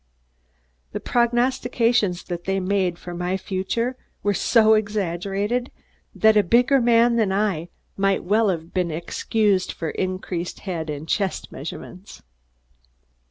The prognostications that they made for my future were so exaggerated that a bigger man than I might well have been excused for increased head and chest measurements.